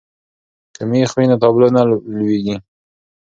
که مېخ وي نو تابلو نه لویږي.